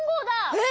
えっ！